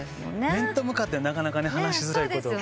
面と向かってなかなか話しづらいことを。